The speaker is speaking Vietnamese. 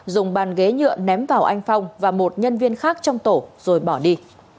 dùng bàn ghế nhựa ném vào anh phong và một nhân viên khác trong tổ rồi bỏ đi